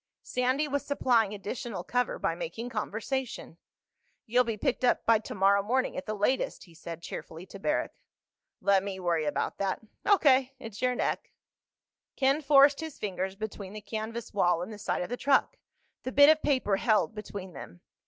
Sandy was supplying additional cover by making conversation. "You'll be picked up by tomorrow morning—at the latest," he said cheerfully to Barrack. "Let me worry about that." "O.K. It's your neck." Ken forced his fingers between the canvas wall and the side of the truck, the bit of paper held between them.